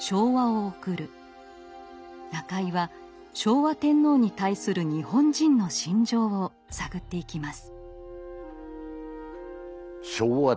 中井は昭和天皇に対する日本人の心情を探っていきます。